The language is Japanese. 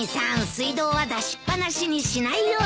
水道は出しっ放しにしないようにね。